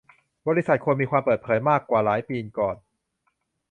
บริษัทควรมีความเปิดเผยมากกว่าหลายปีก่อน